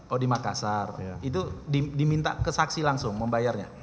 oh di makassar itu diminta ke saksi langsung membayarnya